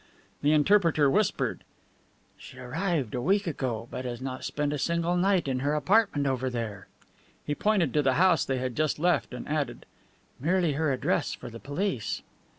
The interpreter whispered: "She arrived a week ago, but has not spent a single night in her apartment over there." He pointed to the house they had just left, and added: "Merely her address for the police."